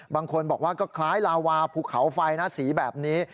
บางคนบอกว่าก็คล้ายลาวาภูเขาไฟนะสีแบบนี้